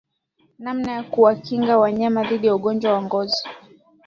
Namna ya kuwakinga wanyama dhidi ya ugonjwa wa ngozi